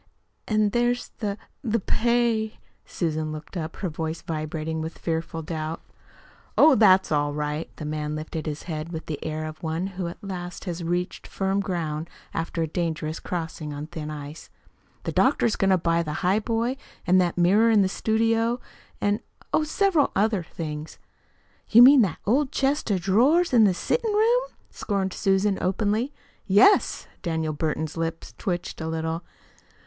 "An' there's the the pay." Susan looked up, her voice vibrating with fearful doubts. "Oh, that's all right." The man lifted his head with the air of one who at last has reached firm ground after a dangerous crossing on thin ice. "The doctor's going to buy the highboy and that mirror in the studio, and oh, several other things." "You mean that old chest of drawers in the settin' room?" scorned Susan openly. "Yes." Daniel Burton's lips twitched a little.